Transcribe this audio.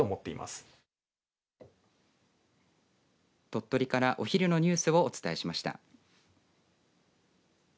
鳥取からお昼のニュースをお伝えしました。